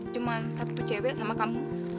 cuman satu cewe sama kamu